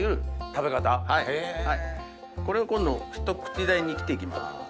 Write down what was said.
これを今度ひと口大に切って行きます。